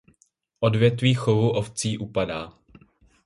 Odvětví chovu ovcí upadá.